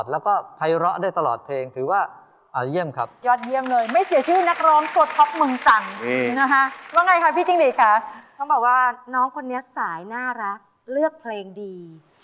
แล้วไงคะพี่จิ้งหลีค่ะต้องบอกว่าน้องคนนี้สายน่ารักเลือกเพลงดี